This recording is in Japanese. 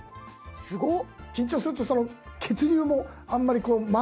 すごっ！」